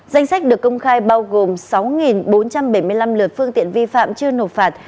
danh sách được công khai bao gồm sáu bốn trăm bảy mươi năm lượt phương tiện vi phạm chưa nộp phạt